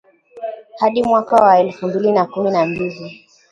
hadi mwaka wa alfu mbili na kumi na mbili